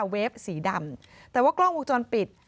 เฟฟสีดำแต่ว่ากล้องวงจรปิด